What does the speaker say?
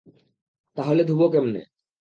তাহলে ধুবো কেমনে?